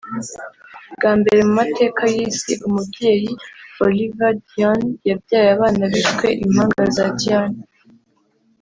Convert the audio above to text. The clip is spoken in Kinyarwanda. bwa mbere mu mateka y’isi umubyeyi (Oliva Dionne) yabyaye abana biswe impanga za Dionne